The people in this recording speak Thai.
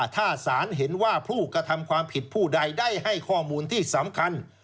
ถ้าศาลเห็นว่าผู้กระทำความผิดผู้ใดได้ให้ข้อมูลที่สำคัญ